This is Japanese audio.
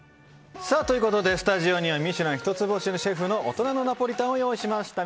スタジオには「ミシュラン」一つ星シェフの大人のナポリタンを用意しました。